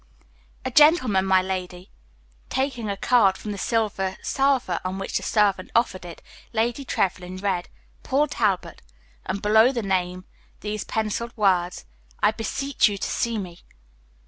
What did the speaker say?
"A Gentleman, my lady." Taking a card from the silver salver on which the servant offered it, Lady Trevlyn read, "Paul Talbot," and below the name these penciled words, "I beseech you to see me."